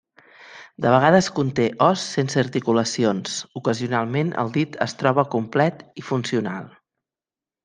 De vegades conté os sense articulacions; ocasionalment el dit es troba complet i funcional.